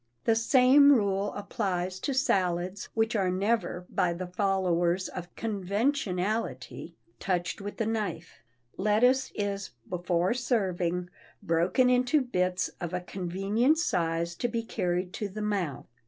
The same rule applies to salads, which are never, by the followers of conventionality, touched with the knife. Lettuce is, before serving, broken into bits of a convenient size to be carried to the mouth.